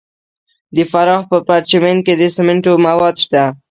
د فراه په پرچمن کې د سمنټو مواد شته.